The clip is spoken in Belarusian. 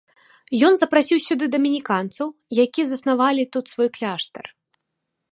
Ён запрасіў сюды дамініканцаў, які заснавалі тут свой кляштар.